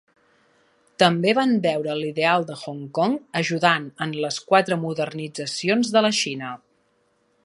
També van veure l'ideal de Hong Kong ajudant en les Quatre Modernitzacions de la Xina.